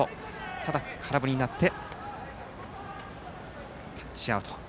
ただ、空振りになってタッチアウト。